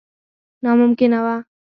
ناممکنه وه.